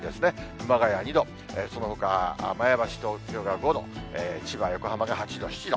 熊谷２度、そのほかは前橋と東京が５度、千葉、横浜が８度、７度。